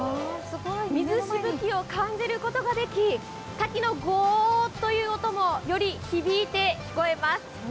水しぶきを感じることができ、滝のゴーッという音もより響いて聞こえます。